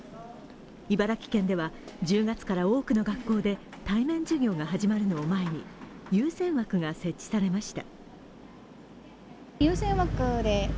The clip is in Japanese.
茨城県では１０月から多くの学校で対面授業が始まるのを前に優先枠が設置されました。